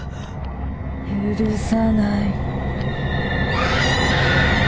許さない。